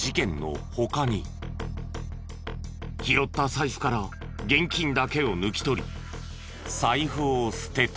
拾った財布から現金だけを抜き取り財布を捨てた。